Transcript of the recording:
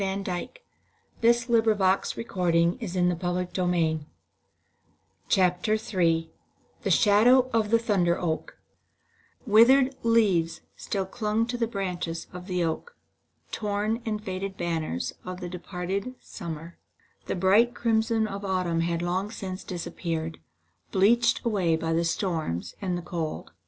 [Illustration The sacred hammer of the god Thor] III THE SHADOW OF THE THUNDER OAK III Withered leaves still clung to the branches of the oak: torn and faded banners of the departed summer. The bright crimson of autumn had long since disappeared, bleached away by the storms and the cold.